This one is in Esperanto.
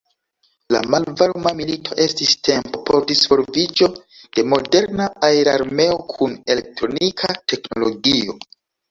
La Malvarma milito estis tempo por disvolviĝo de moderna aerarmeo kun elektronika teknologio.